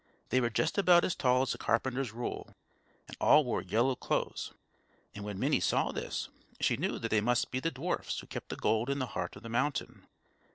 They were just about as tall as a carpenter's rule, and all wore yellow clothes; and when Minnie saw this, she knew that they must be the dwarfs who kept the gold in the heart of the mountain.